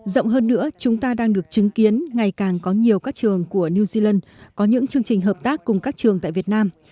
rộng hơn nữa chúng ta đang được chứng kiến ngày càng có nhiều các trường của new zealand có những chương trình hợp tác cùng các trường tại việt nam